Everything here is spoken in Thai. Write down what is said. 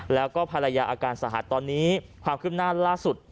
แล้วก็ภรรยาอาการสาหัสตอนนี้ความคืบหน้าล่าสุด